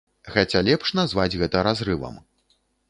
Хаця, лепш назваць гэта разрывам.